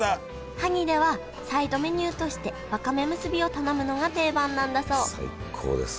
萩ではサイドメニューとしてわかめむすびを頼むのが定番なんだそう最高です。